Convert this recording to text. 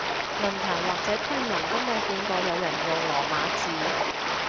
論壇或者推文都冇見過有人用羅馬字